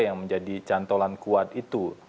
yang menjadi cantolan kuat itu